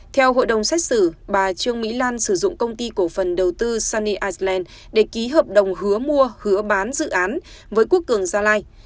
theo hội đồng xét xử bà trương mỹ lan sử dụng công ty cổ phần đầu tư sunny iceland để ký hợp đồng hứa mua hứa bán dự án với quốc cường gia lai